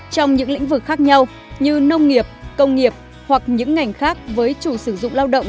trong những lĩnh vực khác nhau như nông nghiệp công nghiệp hoặc những ngành khác với chủ sử dụng lao động